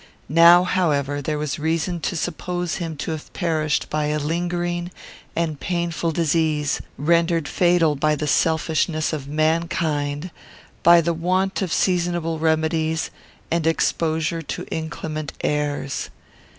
Now, however, there was reason to suppose him to have perished by a lingering and painful disease, rendered fatal by the selfishness of mankind, by the want of seasonable remedies, and exposure to inclement airs.